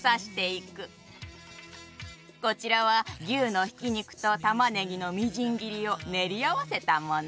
こちらは牛のひき肉とたまねぎのみじん切りを練り合わせたもの。